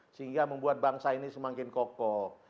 sehingga membuat bangsa ini semakin kokoh